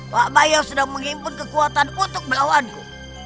pak bayau sudah mengimpun kekuatan untuk melawanku